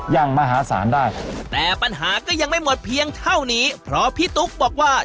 มหาศาลได้แต่ปัญหาก็ยังไม่หมดเพียงเท่านี้เพราะพี่ตุ๊กบอกว่า